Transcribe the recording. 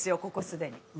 ここすでに。